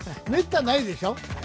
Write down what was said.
めったにないでしょう。